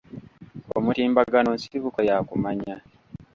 Omutimbagano nsibuko ya kumanya.